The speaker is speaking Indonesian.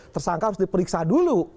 tersangka harus diperiksa dulu